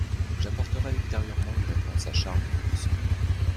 J’apporterai ultérieurement une réponse à Charles de Courson.